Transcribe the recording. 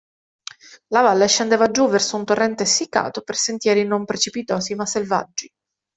La valle scendeva giù verso un torrente essiccato, per sentieri non precipitosi ma selvaggi.